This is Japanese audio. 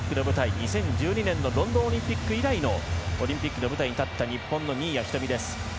２０１２年のロンドンオリンピック以来のオリンピックの舞台に立った日本の新谷仁美です。